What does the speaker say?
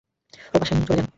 ও বাসায় নাই, চলে যান।